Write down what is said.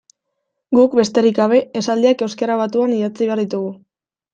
Guk, besterik gabe, esaldiak euskara batuan idatzi behar ditugu.